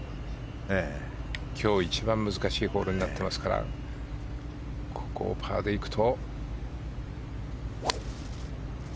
今日一番難しいホールになっていますからここをパーで行くと。